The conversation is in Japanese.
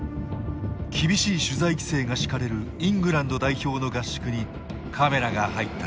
厳しい取材規制が敷かれるイングランド代表の合宿にカメラが入った。